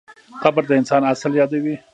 قبر د انسان اصل یادوي.